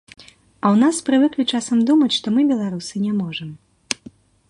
А ў нас прывыклі часам думаць, што мы, беларусы, не можам.